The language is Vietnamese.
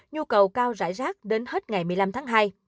nhu cầu cao rải rác đến hết ngày một mươi năm tháng hai